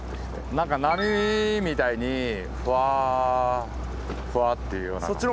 何か波みたいにふわふわっていうようなの。